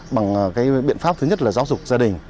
bằng cái biện pháp thứ nhất là giáo dục gia đình